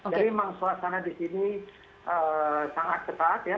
jadi memang sholat sana di sini sangat ketat ya